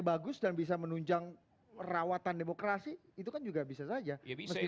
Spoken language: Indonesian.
bagus dan bisa menunjang rawatan demokrasi itu kan juga bisa saja bisa itu ya bisa nanti